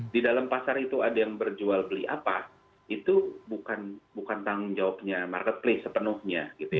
di dalam pasar itu ada yang berjual beli apa itu bukan tanggung jawabnya marketplace sepenuhnya